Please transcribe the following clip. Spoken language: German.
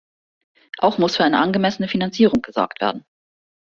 Auch muss für eine angemessene Finanzierung gesorgt werden.